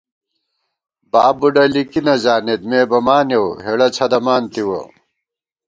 باب بُڈہ لِکی نہ زانېت مےبمانېؤ ہېڑہ څھدَمان تِوَہ